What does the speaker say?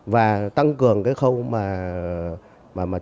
và tăng cường cái khâu mà